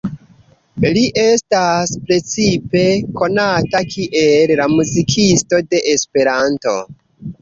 Li estas precipe konata kiel „la muzikisto de Esperanto“.